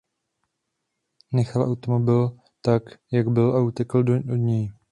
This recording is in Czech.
Nechal automobil tak jak byl a utekl od něj.